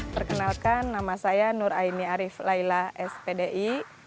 perkenalkan nama saya nur aini arief laila spdi